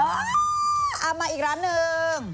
เอามาอีกร้านหนึ่ง